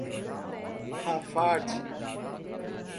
Rafard